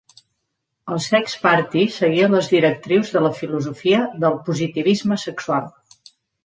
El Sex Party seguia les directrius de la filosofia del positivisme sexual.